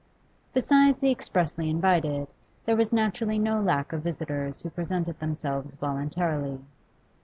Besides the expressly invited, there was naturally no lack of visitors who presented themselves voluntarily.